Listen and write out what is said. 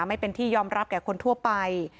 ไม่เป็นที่ยอมรับแก่คนทั่วไป